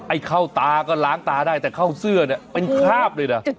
เข้าตาก็ล้างตาได้แต่เข้าเสื้อเนี่ยเป็นคราบเลยนะ